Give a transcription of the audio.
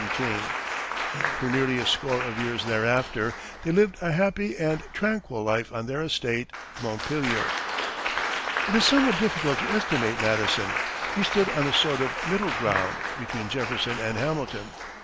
For nearly a score of years thereafter, they lived a happy and tranquil life on their estate, Montpelier. It is somewhat difficult to estimate Madison. He stood on a sort of middle ground between Jefferson and Hamilton.